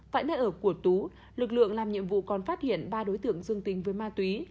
tại nơi ở của tú lực lượng làm nhiệm vụ còn phát hiện ba đối tượng dương tình với ma túy